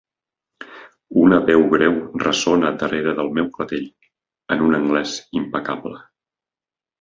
Una veu greu ressona darrere del meu clatell, en un anglès impecable.